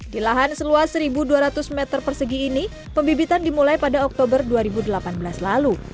di lahan seluas satu dua ratus meter persegi ini pembibitan dimulai pada oktober dua ribu delapan belas lalu